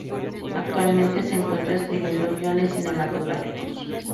Actualmente se encuentra escribiendo guiones cinematográficos.